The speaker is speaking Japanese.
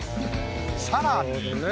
さらに。